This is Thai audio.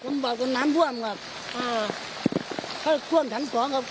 ลำบารกลอนน้ำท่วมครับ